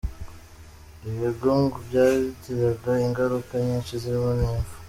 Ibi ngo byagiraga ingaruka nyinshi zirimo n’impfu.